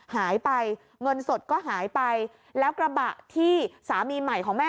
หายไปเงินสดก็หายไปแล้วกระบะที่สามีใหม่ของแม่